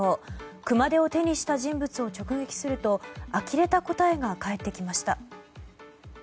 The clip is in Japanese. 熊手を手にした人物を直撃するとあきれた答えが返ってきました。